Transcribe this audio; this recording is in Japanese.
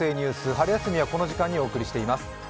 春休みはこの時間にお送りしています。